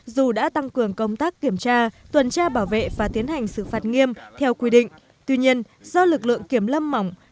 dù đã tăng cường công tác kiểm tra tuần tra bảo vệ và tiến hành xử phạt nghiêm theo quy định tuy nhiên do lực lượng kiểm lâm mỏng